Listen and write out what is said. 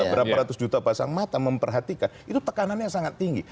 berapa ratus juta pasang mata memperhatikan itu tekanannya sangat tinggi